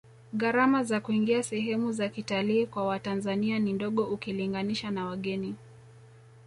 gharama za kuingia sehemu za kitalii kwa watanzania ni ndogo ukilinganisha na wageni